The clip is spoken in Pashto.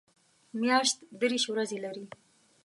میاشت دېرش ورځې لري